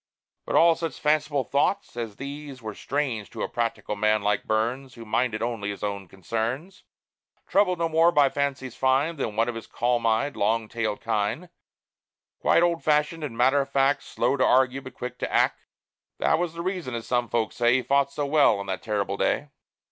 But all such fanciful thoughts as these Were strange to a practical man like Burns, Who minded only his own concerns, Troubled no more by fancies fine Than one of his calm eyed, long tailed kine, Quite old fashioned and matter of fact, Slow to argue, but quick to act. That was the reason, as some folks say, He fought so well on that terrible day.